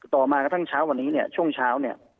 ต่อมากระทั่งเช้าวันนี้เนี่ยช่วงเช้าเนี่ย